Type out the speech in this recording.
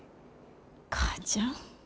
母ちゃん。